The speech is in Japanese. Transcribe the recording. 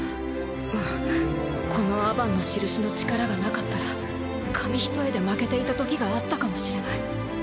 うんこのアバンのしるしの力がなかったら紙一重で負けていたときがあったかもしれない。